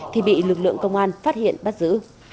thì bị lực lượng công an phát hiện bắt giữ